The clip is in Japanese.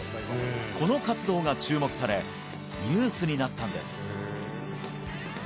この活動が注目されニュースになったんです